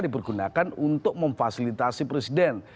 dipergunakan untuk memfasilitasi presiden